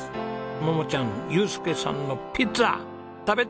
桃ちゃん祐介さんのピッツァ食べたい！